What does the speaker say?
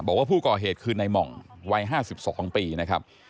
บอกว่าผู้ก่อเหตุคือในหม่องวัย๕๒ปีนะครับ